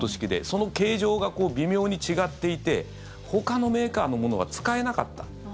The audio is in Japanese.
その形状が微妙に違っていてほかのメーカーのものは使えなかった。